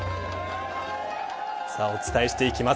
さあ、お伝えしていきます。